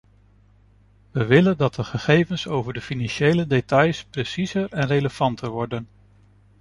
We willen dat de gegevens over de financiële details preciezer en relevanter worden.